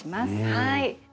はい。